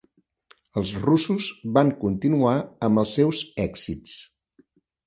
Els russos van continuar amb els seus èxits.